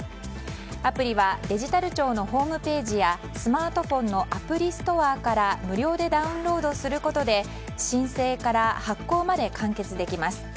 アプリはデジタル庁のホームページやスマートフォンのアプリストアから無料でダウンロードすることで申請から発行まで完結できます。